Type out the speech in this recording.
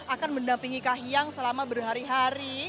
akan mendampingi kahiyang selama berhari hari